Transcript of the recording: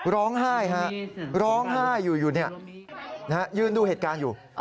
ร้องไห้ครับร้องไห้อยู่อยู่นี่นะฮะยื่นดูเหตุการณ์อยู่